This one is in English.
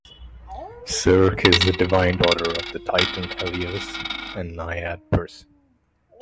Circe is the divine daughter of the titan Helios and naiad Perse.